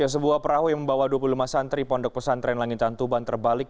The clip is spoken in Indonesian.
sebuah perahu yang membawa dua puluh lima santri pondok pesantren langitan tuban terbalik